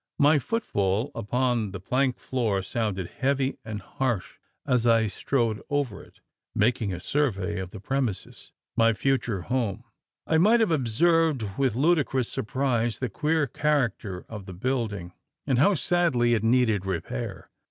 My footfall upon the plank floor sounded heavy and harsh, as I strode over it, making a survey of the "premises" my future home. I might have observed with ludicrous surprise the queer character of the building, and how sadly it needed repair.